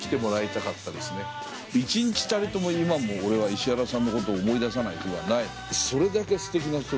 一日たりとも今も俺は石原さんのことを思い出さない日はないそれだけステキな人ですよ。